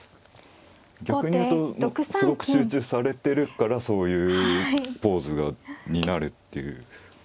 逆に言うとすごく集中されてるからそういうポーズになるっていう。